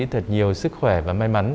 thật nhiều sức khỏe và may mắn